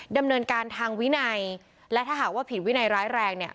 ดำเนินการทางวินัยและถ้าหากว่าผิดวินัยร้ายแรงเนี่ย